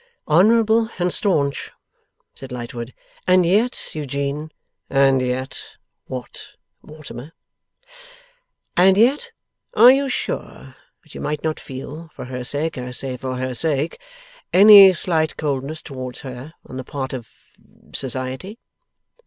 'Honourable and stanch,' said Lightwood. 'And yet, Eugene ' 'And yet what, Mortimer?' 'And yet, are you sure that you might not feel (for her sake, I say for her sake) any slight coldness towards her on the part of Society?